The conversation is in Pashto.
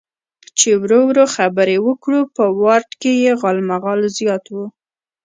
چې ورو ورو خبرې وکړو، په وارډ کې یې غالمغال زیات و.